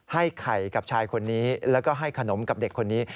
ให้ไข่กับชายคนนี้แล้วก็ให้ขนมกับเด็กคนนี้